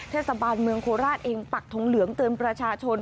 เทศบาลเมืองโคราชเองปักทงเหลืองเตือนประชาชน